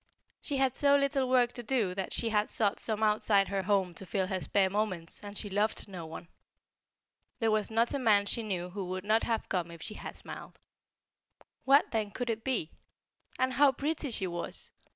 She had so little work to do that she had sought some outside her home to fill her spare moments, and she loved no one. There was not a man she knew who would not have come if she had smiled. What, then, could it be? And how pretty she was!